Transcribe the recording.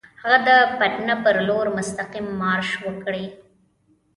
هغه د پټنه پر لور مستقیم مارش وکړي.